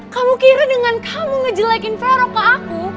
kamu kira dengan kamu ngejelekin vero pak aku